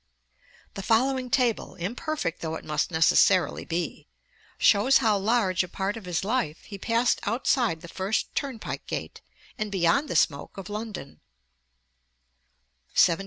The following table, imperfect though it must necessarily be, shows how large a part of his life he passed outside 'the first turnpike gate,' and beyond the smoke of London: 1709 1736.